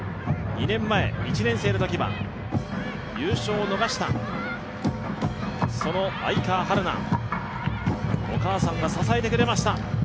２年前、１年生のときは優勝を逃した、その愛川陽菜お母さんが支えてくれました。